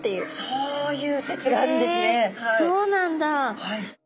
へえそうなんだ。